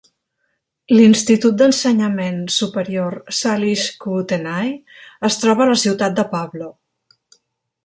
L'institut d'ensenyament superior Salish Kootenai es troba a la ciutat de Pablo.